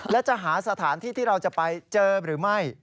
และจะหาสถานที่ที่เราจะไปเจอหรือไม่